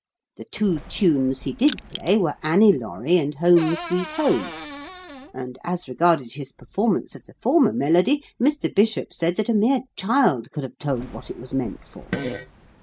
The two tunes he did play were "Annie Laurie" and "Home, Sweet Home"; and as regarded his performance of the former melody, Mr. Bishop said that a mere child could have told what it was meant for.